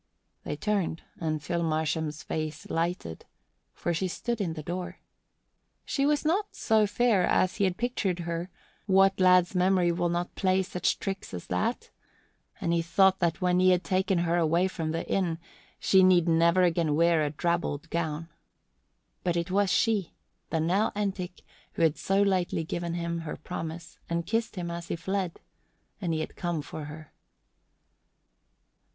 They turned and Phil Marsham's face lighted, for she stood in the door. She was not so fair as he had pictured her what lad's memory will not play such tricks as that? and he thought that when he had taken her away from the inn she need never again wear a drabbled gown. But it was she, the Nell Entick who had so lightly given him her promise and kissed him as he fled, and he had come for her.